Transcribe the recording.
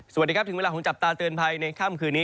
สวัสดีครับถึงเวลาของจับตาเตือนภัยในค่ำคืนนี้